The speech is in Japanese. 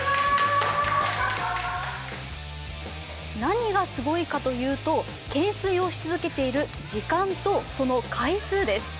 何がすごいかというと懸垂をし続けている時間とその回数です。